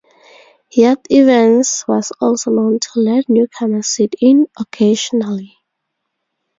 Yet Evans was also known to let newcomers "sit in" occasionally.